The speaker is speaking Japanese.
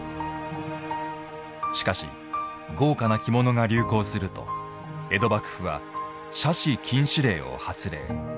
しかし豪華な着物が流行すると江戸幕府は奢侈禁止令を発令。